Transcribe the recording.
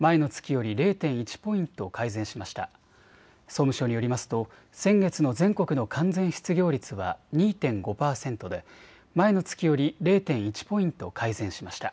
総務省によりますと先月の全国の完全失業率は２．５％で前の月より０．１ポイント改善しました。